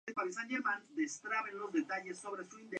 La Biblioteca del Condado de San Mateo tiene la Biblioteca de Belmont.